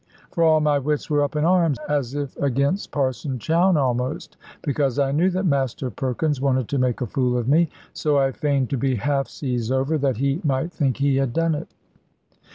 For all my wits were up in arms, as if against Parson Chowne almost; because I knew that Master Perkins wanted to make a fool of me. So I feigned to be half seas over, that he might think he had done it.